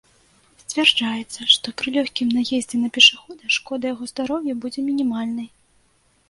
Сцвярджаецца, што пры лёгкім наездзе на пешахода шкода яго здароўю будзе мінімальнай.